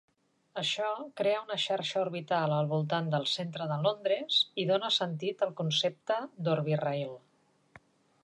Això crea una xarxa orbital al voltant del centre de Londres i dona sentit al concepte d'Orbirail.